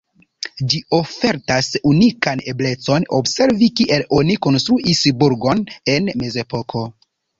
Ĝi ofertas unikan eblecon observi kiel oni konstruis burgon en mezepoko.